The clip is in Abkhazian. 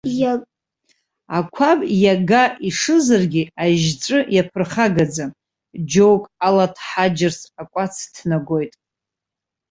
Ақәаб иага ишызаргьы ажьҵәы иаԥырхагаӡам, џьоук алаҭхаџьырц акәац ҭнагоит.